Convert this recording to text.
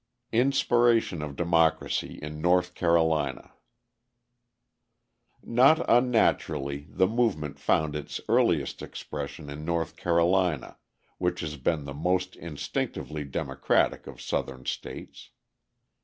Inspiration of Democracy in North Carolina Not unnaturally the movement found its earliest expression in North Carolina, which has been the most instinctively democratic of Southern states.